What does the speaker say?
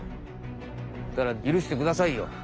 だからゆるしてくださいよ。